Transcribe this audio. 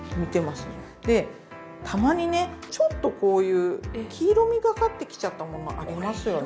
でたまにねちょっとこういう黄色味がかってきちゃったものありますよね。